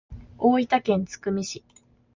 大分県津久見市